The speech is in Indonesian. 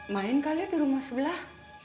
main kali di rumah sebelah